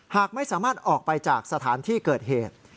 หากไม่สามารถออกไปจากสถานที่เกิดเหตุ